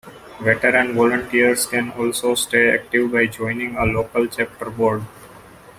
Veteran volunteers can also stay active by joining a local chapter board.